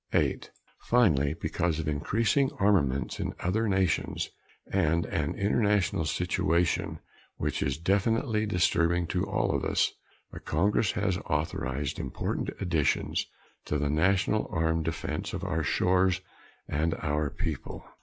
(8) Finally, because of increasing armaments in other nations and an international situation which is definitely disturbing to all of us, the Congress has authorized important additions to the national armed defense of our shores and our people.